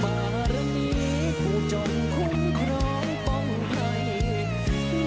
บารมีผู้จนคุณครองป้องไทย